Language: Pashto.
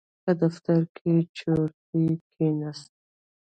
په دفتر کې چورتي کېناست.